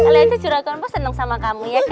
lihatnya juragan bos senang sama kamu ya kan